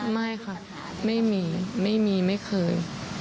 ไม่ค่ะไม่มีไม่มีไม่เคย